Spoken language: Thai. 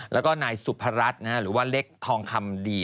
แล้วก็นายสุพรัชหรือว่าเล็กทองคำดี